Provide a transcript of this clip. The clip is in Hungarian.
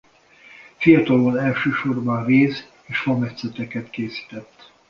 Fiatalon elsősorban réz- és fametszeteket készített.